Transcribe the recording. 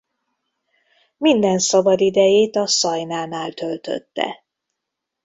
Minden szabad idejét a Szajnánál töltötte.